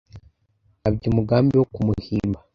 Nkabya umugambi wo kumuhimba